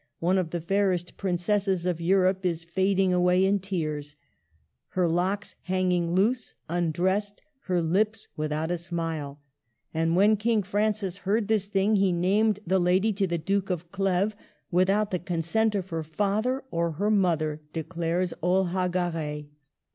One of the fairest princesses of Europe is fading away in tears ; her locks hanging loose, undressed ; her lips without a smile ! And when King Francis heard this thing, he named the lady to the Duke of Cleves without the consent of her father or her mother," declares Olhagaray.